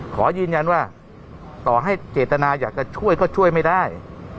ขอยืนยันว่าต่อให้เจตนาอยากจะช่วยก็ช่วยไม่ได้